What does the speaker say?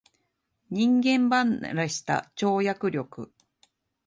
人間離れした跳躍力